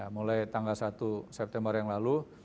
mulai tanggal satu september yang lalu